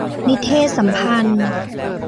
นิเทศสัมพันธ์